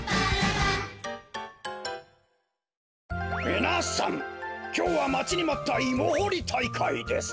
みなさんきょうはまちにまったイモほりたいかいです。